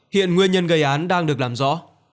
hiện nguyên nhân gây án đang được làm rõ